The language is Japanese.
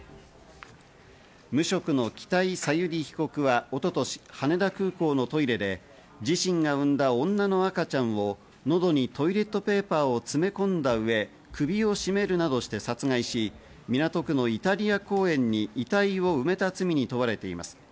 無職の北井小由里被告は一昨年、羽田空港のトイレで自身が産んだ女の赤ちゃんをのどにトイレットペーパーを詰め込んだ上、首を絞めるなどして殺害し、港区のイタリア公園に遺体を埋めた罪に問われています。